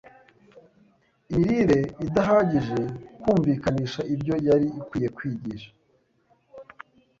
imirire idahagije kumvikanisha ibyo yari ikwiye kwigisha